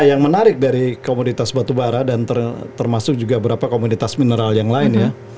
yang menarik dari komunitas batubara dan termasuk juga beberapa komunitas mineral yang lain ya